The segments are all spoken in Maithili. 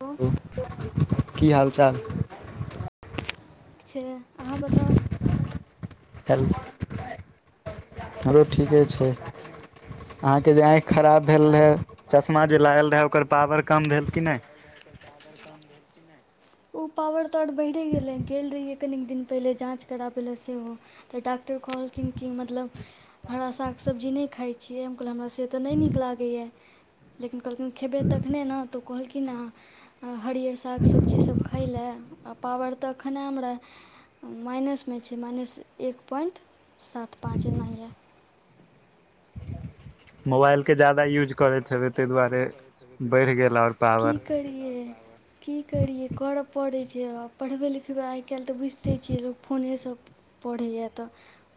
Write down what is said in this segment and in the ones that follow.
छै [unintelligible] की हाल चाल ठीक छै अहाँ बताउ हेल आरो ठीके छै अहाँके जे आँख खराब भेल रहै चश्मा जे लागल रहए ओकर पावर कम भेल कि नहि ओ पावर तर बहिरे गेलै गेल रहियै कनिक दिन पहिले जाँच कराबै लए सेहो तऽ डॉक्टर कहलखिन कि मतलब हरासाक सब्जी नहि खाई छियै कहल हमरा से तऽ नहि नीक लागैए लेकिन कहलखिन खेबै तखने ने तऽ कहलखिन हरिअर साग सब्जी सब खाई लए पावर तऽ एखन हमरा माइन्समे छै माइन्स एक पॉइंट सात पाँच एनाही यऽ मोबाइल के जादा यूज करैत हेबै ताहि दुआरे बढ़ि गेल आओर की पावर करियै की करियै कर पड़ै छै जे पढ़बै लिखबै आइकाल्हि तऽ बुझिते छियै लोक फोनेसे पढ़ैए तऽ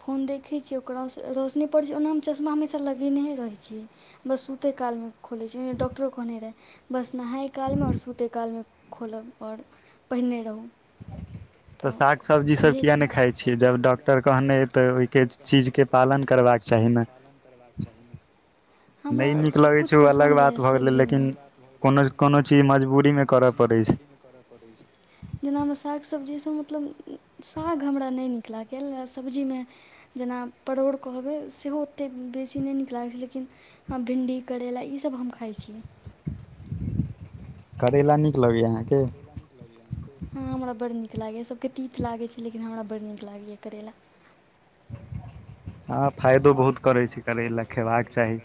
फोन देखैत छियै ओकर रोशनी पढ़ै छै ओनामे चश्मा हमेशा लगेने हि रहय रहय छियै बस सुत सुते कालमे खोलै छियै डॉक्टरो कहने रहय बस नहाय कालमे ओर सुतय कालमे खोलब ओर पहिरने रहू [inaudible] तऽ साग सब्जी सब इहे किया छै नहि खाई छियै जब डॉक्टर कहने तऽ ओहि के चीज के पालन करबाक चाही ने पालन करबाक चाहि हमरा नहि नीक लगै सबकुछ छै ओ अलग पसन्द यै बात भऽ गेलै लेकिन सब्जीमे कोनो कोनो चीज मजबूरीमे कर पड़ै छै जेनामे साग सब्जीसे मतलब साग हमरा नहि नीक न सब्जीमे जेना परोड़ कहबै सेहो ओतेक बेसी नहि नीक लागै छै लेकिन भिण्डी करैला ईसब हम खाई छी करैेला नीक लगैए अहाँके हाँ हमरा बड़ नीक नीक लागैए सबके तीत लागै छै लेकिन हमरा बड नीक लागैए करैला हँ फायदो बहुत करै छै करैला खयबाक चाही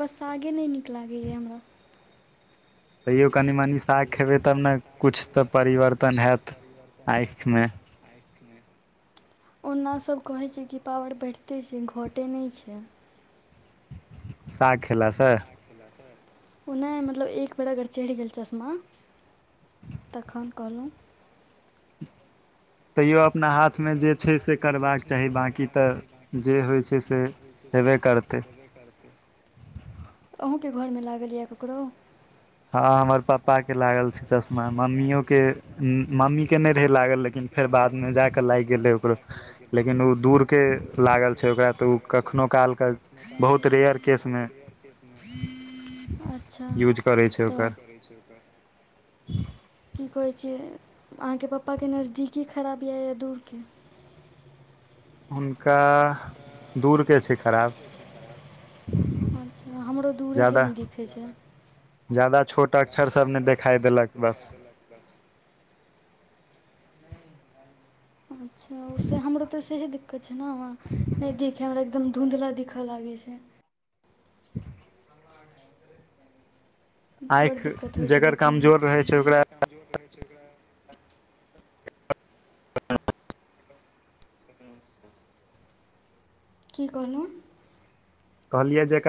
बस सागे नहि नीक लागैए हमरा तैयो कनि मनी साग खेबै तब ने कुछ तऽ परिवर्तन एत आँख मे [inaudible] ओना सब कहै छै कि पावर बैढिते छै घटे नहि छै साग खिला से ओ नहि मतलब एक बेर अगर चढ़ि गेल चश्मा तखन कहलहुँ तैयो आप अपना हाथमे जे छै से करबाक चाही बाँकी तऽ जे होइ छै से हेबे करतै अहूँके घरमे लागल यऽ ककरो हँ हमर पापाके लागल छै चश्मा मम्मियओके मम्मीके नहि रहे लागल लेकिन फेर बाद मे जा जाके लाइक ओ लेकिन ओ दूर के लागल छै ओकरा तऽ ओ कखनो काल के बहुत रेयर केसमे अच्छा यूज करै छै ओकर तऽ की कहै छै अहाँके पप्पाके नजदीकी खराब यएए दूरके हुनका दूरके छै खराब अच्छा हमरो दूरेके नहि दिखै छै जादा छोट अक्षर सब नहि देखाइ देलक बस अच्छा उे हमरो तऽे ही द कछ ने व नहि देखै हमरा एकदम धुँधला दिखऽ लागै छै बड़ आँखि दिक्कत होइ छै जकर कमजोर देखयमे रहै छै ओकरा जकर कजो छै ह की कहलहुँ कहलियै जे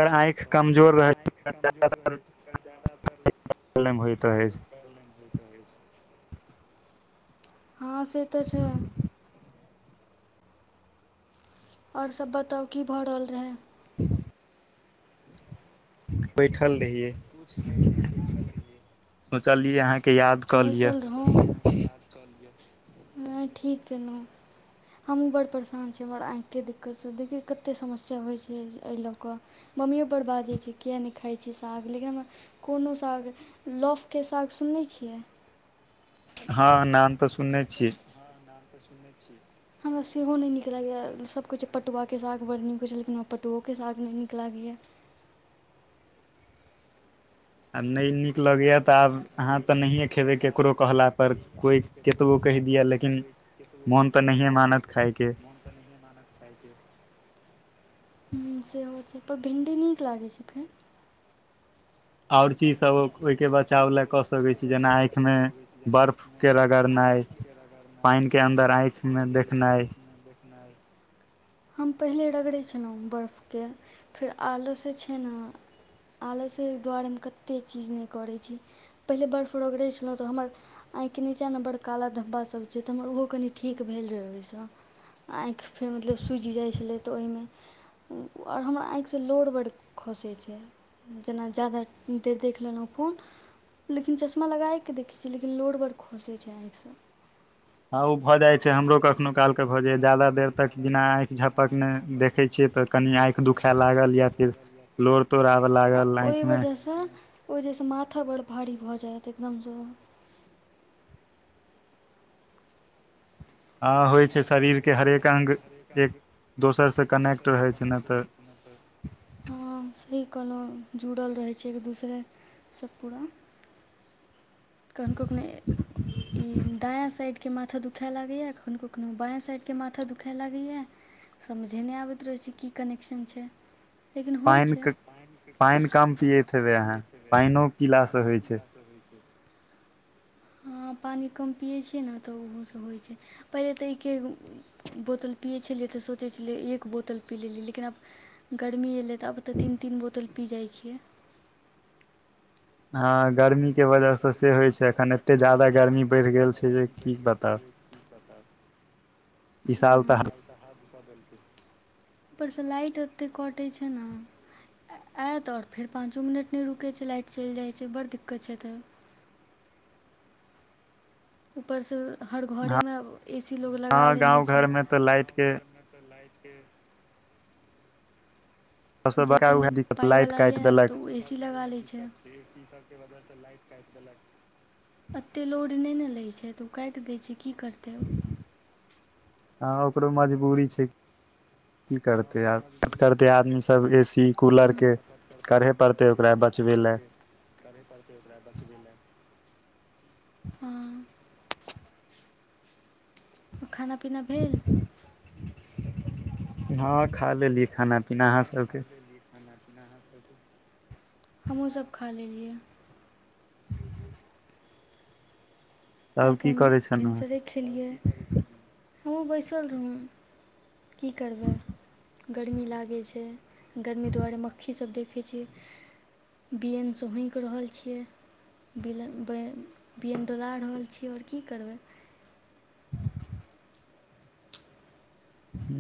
कहढ़लियै जकर आँखि कमजोर रहै ओकर जाादातर प्रॉब्लम होइत रहै छै कारणे होत हो छै हँ से तऽ छै आओर सभ बताउ की भऽ रहल रहै बैठल रहियै पूछ नहि रहना बैठल रहियै सोचलियै अहाँके याद कऽ लिअ हँ ठीक केंनो हमहूँ बड़ परेशान छी हमर आँखिके दिक्कतसँ देखियौ कतेक समस्या होइ छै एहि लऽ कऽ मम्मियो पर् बाजै छै कििया नहि खाइ छी साग लेकिन हम कोनो साग लफके साग सुनै छियै हँ नाम तऽ सुनने छियै हमरा सेहो नहि नीक लागैया सब कहै छै पटुआके साग बड़ नीक होइ लेकिनरा पटुके स सााग नहि निक लागै य [inaudible] आ नहि नीक लगैएा तऽ आब अहाँ तऽ नहिए खेबै ककरो कहला पर कोइ केत बो पर कोइ केत लेकिन मानत खायके मन तऽ ह्म सेहो छैय पर भिंडी नीक लागै छै फेर ओर चीज सब ओहिके बचाव लए कऽ सकैत छी जेना अइंख मे बर्फ के रगड़नाइ पान अंडर ऐइंख् मे देख नैय हम पहिले रगड़ै छलहुँ बर्फके फेर आलसँ छै ने आलस के दुआरे मे कते चीज ने करै छी पहिले बर्फ रोग रहै छलहुँ तऽ हमर ऐंख के नीचाँ ने बड़ काला धब्बाब छै तऽ हमर ओहो कनि ठीक भेल रहै ओहिसँ आँखि फेर मतलब सूजि जाइ छलै तऽ ओहिमे आओर हमरा आँखिसँ लोर बड्ड खसै छै जेना जादा देर देख लेलहुँ फोन लेकिन चश्मा लगएकेऽ देखै छियै लेकिन लोड बड़ खोसै छै आँखिसँ हँ ओ भऽ जाइ आ ओ छै भऽ हमरो जाइ कखनो छै काल हमरो के भऽ कखनो जाइए काल तऽ जादा घर देर जा तक जा्याददा बिना देर तक आँखि झपकने किनाइ देखै नहि छियै तऽ देखय कनि छिय आँखि दुखाय लागल या फिर लोर तोर आबऽ लागल आँखि ओहि मे वजहसँ ओहि बजहसँ माथा बड़ भारी भऽ जायत एकदमसँ हँ होइ शरीर के हरेक अंग एक दोसर स कनेक्ट रहय छैय न त सही कोलहुँ जुड़ल रहै छै एक दूसरेसँ पूरा कन कखनो ई दायाँ साइड के माथा दुखए लागैए ये कखनो कखनो बाँायँ साइडके माथा दुखए लागैए ये समझय नहि आबैत रहै छै की कनेक्शन छै लेकिन होइ छै े अहा पाइनो पिला स होइ छै हँ पानि कम पियै छियै ने तऽ ओहो होइ छै पहिले तऽके बोतल पियै छलिय त सोचय छलिय एक बोतल पी लि लेकिन आब गरमी एलय तब तऽ तीन तीन बोतल पी जाइ छियै हँ गर्मी के वजहसँ से होइ छै अखन एते जाादा गर्मी बढ़ि गेल छै जे की बताउ विशालता हर ऊपरसँ लाइट ओतेक कटै छै ने ऐत ओर फेर पाँचो मिनट नहि रुकैत छै लाइट चलि जाइत छै बडड़ड दिक्कत छै ए तऽ ऊपरसँ हर घरेमे अब हहाँ गाँव घरमे तऽ लाइटके ह सबस जे बड़का कनि उएह दिक्कत पाइ लाइट वाला काटि य देलक तऽ ओ एसी लगा ले छै एते लोड नहि ने लै छै तऽ ओ काटि दै छैय की करतय ओ ककरो मजबूरी छै की करतै आब करते आदमी सब एसी कूलर के करहे पड़तै ओकरा ब बच वे लेअ करहे परतय ओकरा बचबय लै हँ खाना पीना भेल हँ खा लेलियै खाना पीना अहाँ सबके हम हूँ सब खा लेलियै आइ तब तऽ की हम करै छलहुँ भिनसरे खेलियै हमहूँ बैसल रहौ की करबै गरमी लागैत छै गरमी दुआरे मक्खी सब ग देख कै छय बियनसँ हौँकि रहल छियै बिलन बै बियन डला रहल छियै छी और की करबै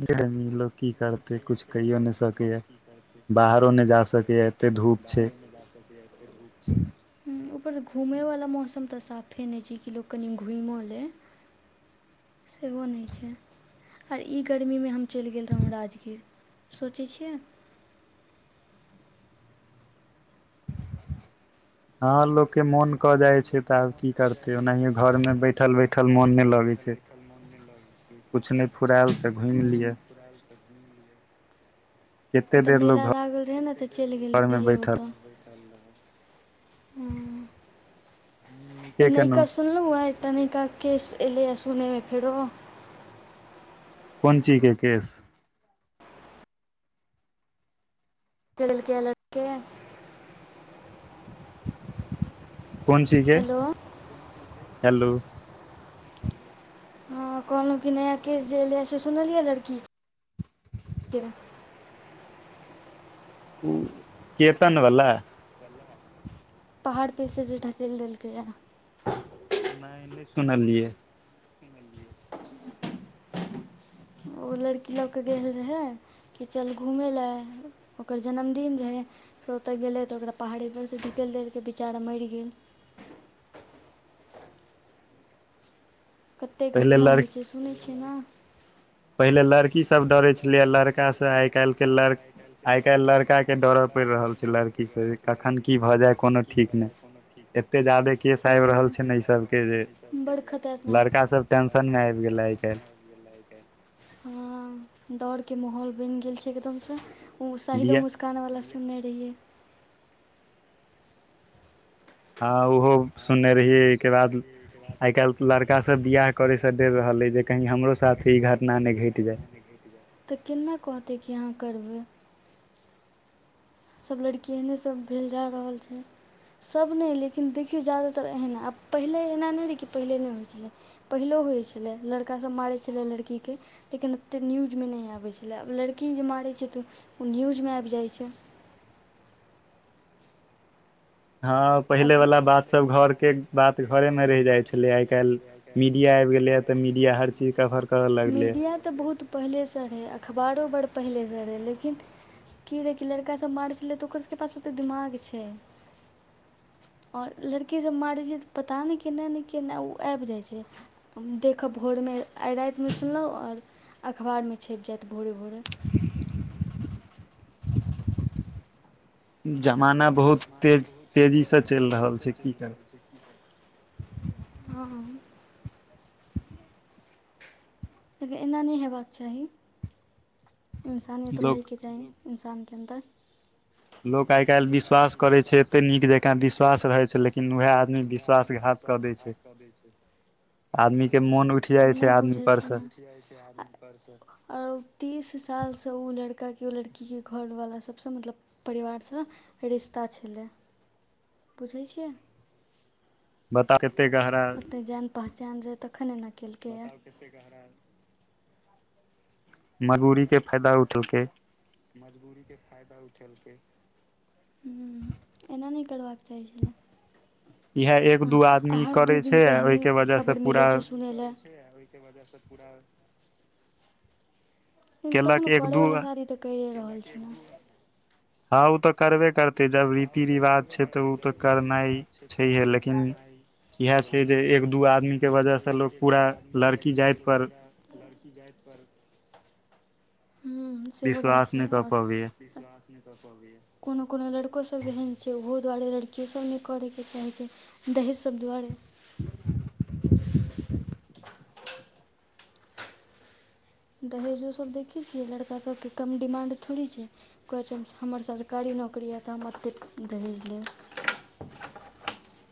जेमी लोक की करते कुछ कहिओ नहि सकयै कछु कहियो नहि सकैय धूप छै बाहरो नहि जा सकैए एते धूप छै पर घूमैवला मौसम तऽ साफे नहि छै कि लोक कनि घुमिओ लै सेहो नहि छै आर ई गरमी मे हम चलि गेल रहौँ राजगीर सोचै छियै हँ लोकके मोन कऽ जाइ छै ह तऽ आब मोन की कऽ जाइ करते छै तऽ ओनाहिये आब की घर में करतै बैठल हमरा बैठल मोन घरमे नहि बैठल बैठल मोन नहि लगै छै फुरेल त घुइम लिअ कते ओतय देर मेला लोग लागल रहै ने तऽ चलि गेल घर मे रहियै बैठल ओतय हँ इ नीके नइका केलहुँ सुनलउ ये एकटा नइका केश एलेयै सुनमे फेरो कोन चीज के केस ल क लके कोन चीजज हेलो हलू हँ कहलहुँ कि नया केस जे एयलैए से सुनलियै लड़कीक के केतन बला पहाड़ पसँ जे ढकल देलकैए नैय नैय सुनलियै ओ लड़की लऽकेऽ गेल रहै कि चल घुमय लए ओकर जन्मदिन रहै त ओतय गेलै तऽ ओकरा पहाड़ीपर सँ ढकैल देलकै बेचारा मरि गेल [inaudible] कतेक पहिले घटना होइ लड़की छै सुनै छियै ने की सब डरे छलिय लड़का से आई काल् के लड़ आई काल् लड़का के डर पड़ रहल छै लड़की कखन की भए जाय कोनो ठीक ने एते जादे केस आब रहल छै ने इ सब के जे बड़ खतरनाक लड़का छै सब टेंशन मे आबि गेले आइ काल्हि ह डरके माहौल बैन गेल छै एकदमसँ ओ स साहिलो बियाह मुस्काना वाला सुन नै रहियै हँ उहो सुनने रहियै एकरा आइ काल्हि लड़का सभ बियाह करै स तऽ केना घटना नहि घटि जाय कहतै कि अहाँ करबै सभ लड़की एहने सभ भेल जा रहल छै सब नहि लेकिन देखियौ जा्यदातर एहना आब पहिले एना नहि रहै कि पहिले नहि होइत छलै पहिले होइ छले लड़का सब मारे छलै लड़की के लेकिन ओते न्यूज मे न आबे छले आब लड़की जे मार छै तऽ ओ न्यूजमे आबि जाइत छै हँ हँ पहिले वाला बात सब पहिलेवला घर बात के त बात घरके घरे मे बात रहि जाइ घरेमे छलै रहि आइ जाइ काल्हि छलै आइ मीडिया आबि काल्हि गेलैए तऽ मीडिया हर चीज कवर करऽ लगलैए मीडिया तऽ बहुत पहिलेसँ रहै अखबारो बड़ पहिलेसँ रहै लेकिन की रहै कि लड़कासभ मारै छलै तऽ ओकर सभके पास ओतेक दिमाग छै आओर लड़कीसभ मारैत छै तऽ पता नहि केना नहि केना ओ आबि जाइत छै देखब बहुत भोरमे आइ रातिमे सुनलहुँ ओर अखबारमे छपि जाइतत भोरे भोरे [inaudible] जमाना बहुत तेज तेजी से चैल रहल छै की कर हँ लेकिन एना नहि हेबाक चाही इंसानियत लोक रहयके चाही इन्सानके अन्दर लोक आइ काल्हि विश्वास करैत छै एते नीक जका विश्वास रहैत छै लेकिन उएह आदमी विश्वास घात विश्वास घघात कऽ दै छै आदमी के मोन उठि जाइ सब छै नहि आदमी बुझै पर छै से ने आर तीस कालसँ ओ लड़काके ओ लड़कीके घरवला सबसँ मतलब परिवारसँ रिश्ता छलै [inaudible] पूछै छियै बताउ कते गहरा ओतय जान पहचान रहै तखन एना केलकैए मजूरीके फायदा उठलकै मजबूरीके फायदा उठेलकै ह एना नहि करबाक चाही छल इएह एक दू आदमी दू करै दिन छै पे आ एहने ओहिके वजहसँ पूरा ब पूरा लेकिन तखन केलक एक दू करयवला शादी तऽ करिए रहल छी ने हँ ओ तऽ करबे करते जब रीति रिवाज छै तऽ ओ तऽ करना छैहे लेकिन इह छै जे एक दू आदमी के इएह वजह छै से जे लोग एक दू पूरा आदमीके लड़की वजहसँ जाति लोक पर पूरा लड़की जातिपर [inaudible] ह सेहो बात विश्वास छै नहि कऽ पबैया आओर कोनो कोनो लड़को सभ एहन छै ओहो दुआरे लड़कियो सब नहि करैके चाहै छै दहेज सभ दुआरे [inaudible] दहेजो सब देखै छियै लड़का सबके कम डिमांड थोड़ी छै कहै छै हमर सरकारी नौकरी आ तऽ हम एतेक दहेज लेब [inaudible]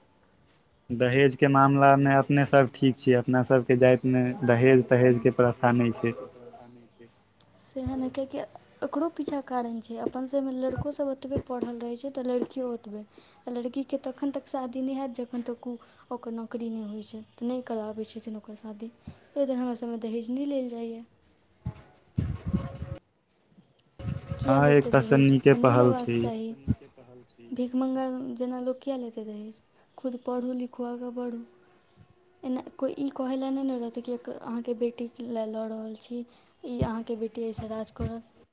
दहेज के मामलामे दहेजके मामलामे अपने सब ठीक छियै मे अपना सबके दहेज तहेज जातिमे के प्रथा दहेज नहि छै तहेजके व्यवस्था नहि छै सेहन कै कि एकरो पीछा कारण छै अपन सब में लड़को सब ओतबे पढ़ल रहे छै ते लड़की केओ ओतबे आ लड़कीके तखन तक शादी नहि हेत जखन तक ओ ओकर नौकरी नहि होइ छै तऽ नहि करबाबैत छथिन ओकर शादी एहि दुवारे हमरा सबमे दहेज नहि लेल जाइए [inaudible] किया हँ लेतै एक त दहेज नीके नहि पहल लेबाक छै ई चाही भीख मङ्गा जेना लोक किया लेतै दहेज खूद पढौ लिखौआगाँ बढ़ौ एना कोय इ कहैले नहि न रहतै एक अहाँक बेटी ल ल रहल छी अहाँके बेटी अइ सँ राज करत